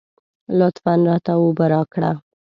لطفاً راته اوبه راکړه.